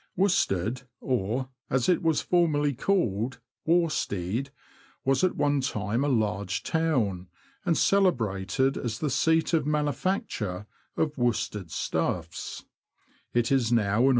Worstead, or, as it was formerly called, Worstede, was at one time a large town, and celebrated as the seat of manufacture of worsted stuffs ; it is now an 182 THE LAND OF THE BROADS.